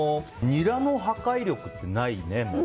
ニラの破壊力ってないよね。